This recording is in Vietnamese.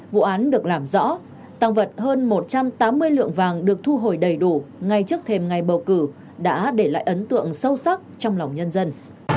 vụ án được làm rõ tăng vật hơn một trăm tám mươi lượng vàng được thu hồi đầy đủ ngay trước thềm ngày bầu cử đã để lại ấn tượng sâu sắc trong lòng nhân dân